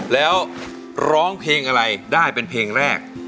แล้วร้องเพลงอะไรได้เป็นเพลงแรก